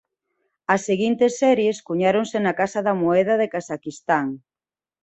As seguintes series cuñáronse na Casa da Moeda de Casaquistán.